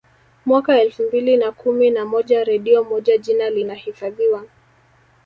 Mwaka elfu mbili na kumi na moja redio moja jina linahifadhiwa